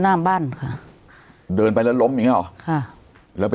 หน้าบ้านค่ะเดินไปแล้วล้มอย่างเงี้หรอค่ะแล้วไป